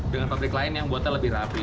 dengan pabrik lain yang buatnya lebih rapi